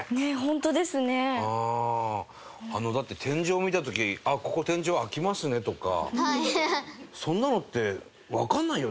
あのだって天井見た時「あっここ天井開きますね」とかそんなのってわかんないよね